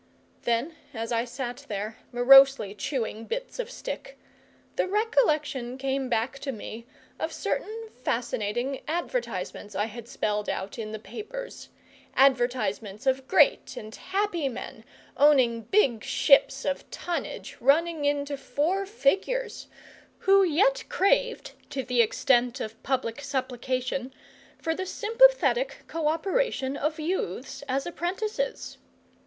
Then, as I sat there, morosely chewing bits of stick, the recollection came back to me of certain fascinating advertisements I had spelled out in the papers advertisements of great and happy men, owning big ships of tonnage running into four figures, who yet craved, to the extent of public supplication, for the sympathetic co operation of youths as apprentices.